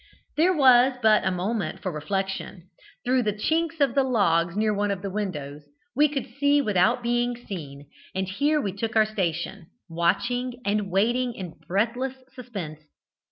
There was but a moment for reflection; through the chinks of the logs near one of the windows, we could see without being seen, and here we took our station, watching and waiting in breathless suspense.